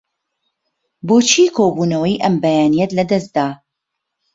بۆچی کۆبوونەوەی ئەم بەیانییەت لەدەست دا؟